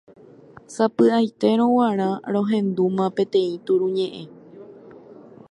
Sapy'aitérõ g̃uarã rohendúma peteĩ turuñe'ẽ.